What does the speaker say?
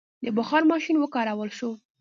د بخار ماشین وکارول شو.